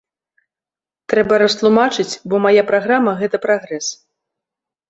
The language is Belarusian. Трэба растлумачыць, бо мая праграма гэта прагрэс.